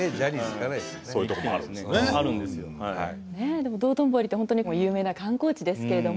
でも道頓堀って本当に有名な観光地ですけれども。